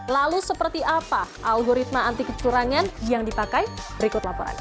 lalu seperti apa algoritma anti kecurangan yang dipakai berikut laporan